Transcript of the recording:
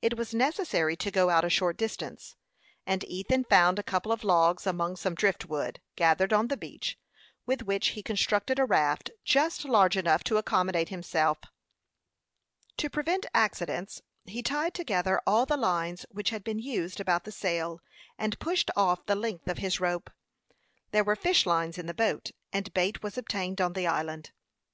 It was necessary to go out a short distance, and Ethan found a couple of logs among some drift wood, gathered on the beach, with which he constructed a raft, just large enough to accommodate himself. To prevent accidents, he tied together all the lines which had been used about the sail, and pushed off the length of his rope. There were fish lines in the boat, and bait was obtained on the island.